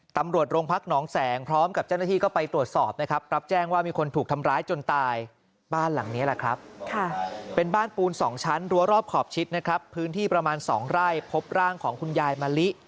ตำรวจโรงพักน้องแสงพร้อมกับเจ้าหน้าที่ก็ไปตรวจสอบนะครับ